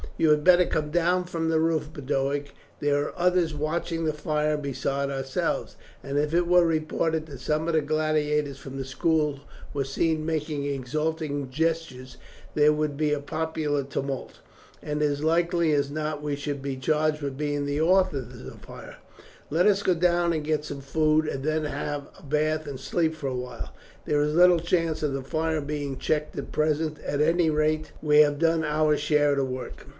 "You had better come down from the roof, Boduoc. There are others watching the fire besides ourselves; and if it were reported that some of the gladiators from the school were seen making exulting gestures, there would be a popular tumult, and it is likely as not we should be charged with being the authors of the fire. Let us go down, get some food, and then have a bath and sleep for a while. There is little chance of the fire being checked at present. At any rate, we have done our share of work."